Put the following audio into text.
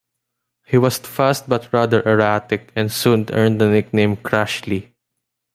He was fast but rather erratic, and soon earned the nickname "Crashley".